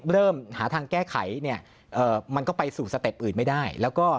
เริ่มหาทางแก้ไขเนี่ยมันก็ไปสู่สเต็ปอื่นไม่ได้แล้วก็